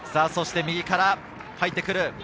そして右から入ってくる。